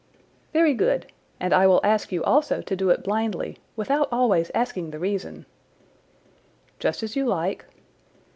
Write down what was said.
"Very good; and I will ask you also to do it blindly, without always asking the reason." "Just as you like."